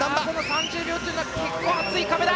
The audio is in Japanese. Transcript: ３０秒というのは結構、厚い壁だ！